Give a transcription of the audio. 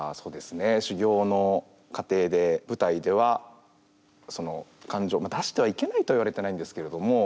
修行の過程で舞台ではその感情まあ出してはいけないとは言われてないんですけれども。